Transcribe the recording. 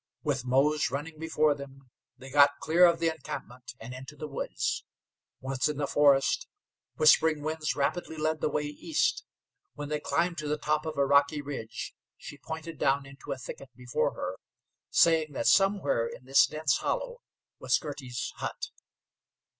With Mose running before them, they got clear of the encampment and into the woods. Once in the forest Whispering Winds rapidly led the way east. When they climbed to the top of a rocky ridge she pointed down into a thicket before her, saying that somewhere in this dense hollow was Girty's hut.